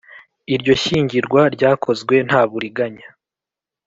Iryo shyingirwa ryakozwe nta buriganya